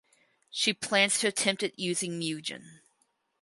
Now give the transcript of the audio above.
She plans to attempt it using Mugen.